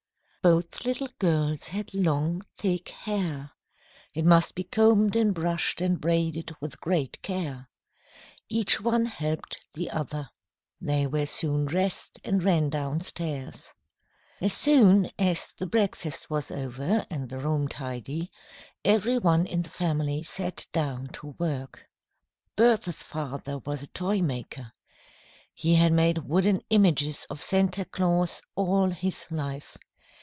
Both little girls had long, thick hair. It must be combed and brushed and braided with great care. Each one helped the other. They were soon dressed, and ran down stairs. As soon as the breakfast was over and the room made tidy, every one in the family sat down to work. Bertha's father was a toy maker. He had made wooden images of Santa Claus all his life.